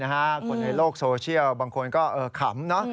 คนในโลกโซเชียลบางคนก็ขำเนอะ